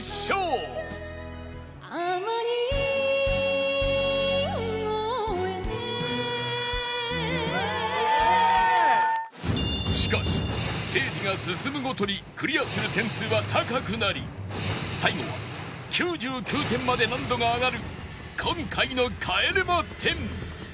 「天城越え」しかしステージが進むごとにクリアする点数は高くなり最後は９９点まで難度が上がる今回の帰れま点